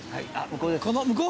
この向こう？